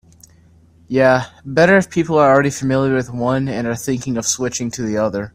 Yeah, better if people are already familiar with one and are thinking of switching to the other.